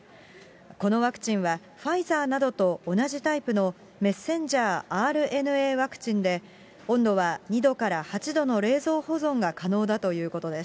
このワクチンは、ファイザーなどと同じタイプのｍＲＮＡワクチンで、温度は２度から８度の冷蔵保存が可能だということです。